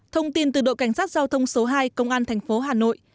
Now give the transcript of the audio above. thông tin từ đội cảnh sát giao thông số hai công an thành phố hà nội